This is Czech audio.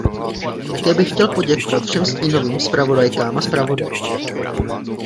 Také bych chtěl poděkovat všem stínovým zpravodajkám a zpravodajům.